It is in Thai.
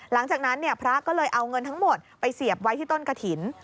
หลังจากนั้นพระก็เลยเอาเงินทั้งหมดไปเสียบไว้ที่ต้นกระถิ่น